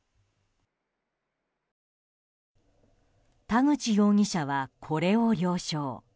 田口容疑者は、これを了承。